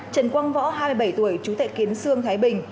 trần quang võ hai mươi bảy tuổi chú tệ kiến sương thái bình